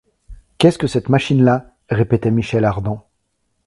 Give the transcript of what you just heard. Qu’est-ce que cette machine-là? répétait Michel Ardan.